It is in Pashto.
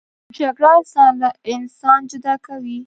جګړه انسان له انسان جدا کوي